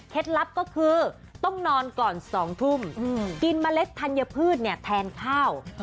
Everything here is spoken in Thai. ลับก็คือต้องนอนก่อน๒ทุ่มกินเมล็ดธัญพืชแทนข้าว